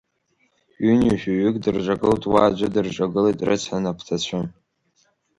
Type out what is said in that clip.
Ҩынҩажәаҩык дырҿагылт уа аӡәы, дырҿагылеит, рыцҳа, напҭацәы.